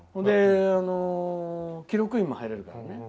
記録員も入れるからね。